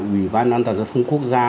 ủy ban an toàn giao thông quốc gia